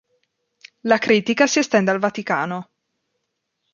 La critica si estende al Vaticano.